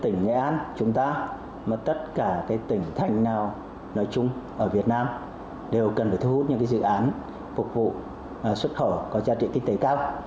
tỉnh nghệ an chúng ta mà tất cả tỉnh thành nào nói chung ở việt nam đều cần phải thu hút những dự án phục vụ xuất khẩu có giá trị kinh tế cao